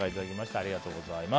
ありがとうございます。